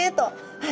はい。